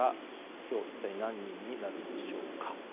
今日一体何人になるのでしょうか。